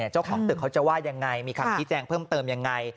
เจ้าของตึกเขาจะว่ายังไงมีคำชี้แจงเพิ่มเติมยังไง